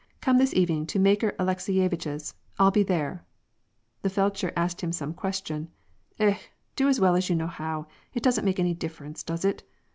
"Come this evening to Makar Alekseyevitch's, I'll be there." The feldsher asked him some question. "Eh ! do as well as you know how! It doesn't make any difference, does it